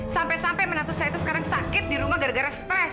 sampai sampai menatu saya itu sekarang sakit di rumah gara gara stres